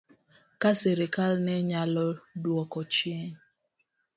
Ka sirkal ne nyalo dwoko chien